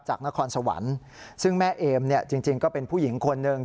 นครสวรรค์ซึ่งแม่เอมเนี่ยจริงก็เป็นผู้หญิงคนหนึ่ง